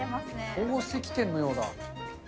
宝石店のような。